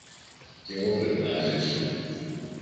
Κι εγώ πρέπει να ζήσω!